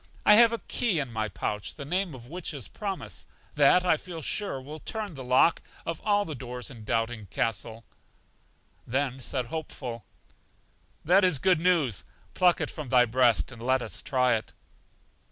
I have a key in my pouch, the name of which is Promise, that, I feel sure, will turn the lock of all the doors in Doubting Castle. Then said Hopeful: That is good news; pluck it from thy breast, and let us try it.